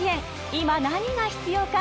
今何が必要か。